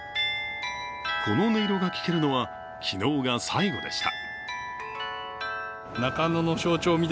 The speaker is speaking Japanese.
この音色が聞けるのは昨日が最後でした。